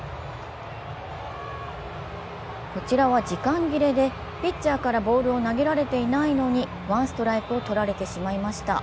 こちらは時間切れでピッチャーからボールを投げられていないのにワンストライクをとられてしまいました。